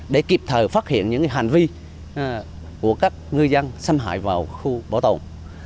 để kịp thời phát hiện những hành vi của các ngư dân xâm hại vào khu bảo tồn